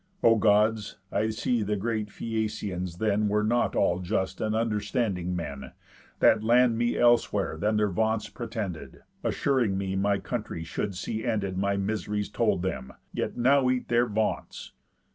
O Gods! I see the great Phæacians then Were not all just and understanding men, That land me elsewhere than their vaunts pretended, Assuring me my country should see ended My miseries told them, yet now eat their vaunts.